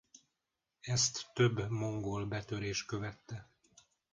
Ezt több mongol betörés követte.